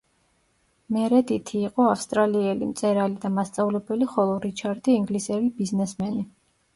მერედითი იყო ავსტრალიელი მწერალი და მასწავლებელი, ხოლო რიჩარდი ინგლისელი ბიზნესმენი.